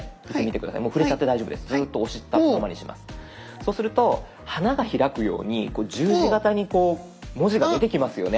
そうすると花が開くように十字形にこう文字が出てきますよね。